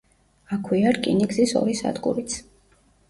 აქვეა რკინიგზის ორი სადგურიც.